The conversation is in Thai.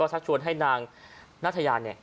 ก็มันยังไม่หมดวันหนึ่ง